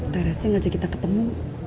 tarasnya gak jauh kita ketemu